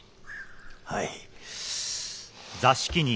はい。